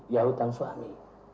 ya hutang suami